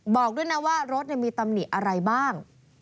บอกด้วยนะว่ารถมีตำหนิอะไรบ้าง